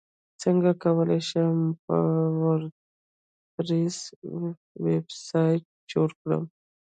څنګه کولی شم په وردپریس ویبسایټ جوړ کړم